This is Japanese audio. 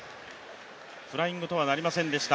フライングとはなりませんでした